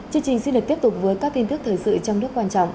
chương trình xin được tiếp tục với các tin tức thời sự trong nước quan trọng